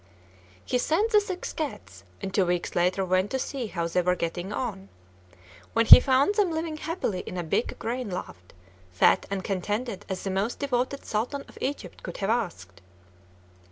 He sent the six cats, and two weeks later went to see how they were getting on, when he found them living happily in a big grain loft, fat and contented as the most devoted Sultan of Egypt could have asked.